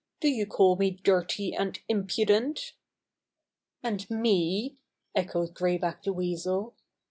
Do you call me dirty and im pudent?" "And me?" echoed Gray Back the Weasel.